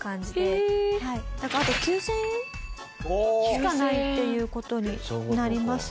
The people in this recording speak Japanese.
だからあと９０００円？しかないっていう事になります。